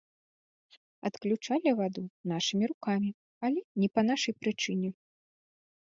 Адключалі ваду нашымі рукамі, але не па нашай прычыне!